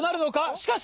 しかし。